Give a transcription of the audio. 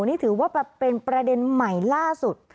นี่ถือว่าเป็นประเด็นใหม่ล่าสุด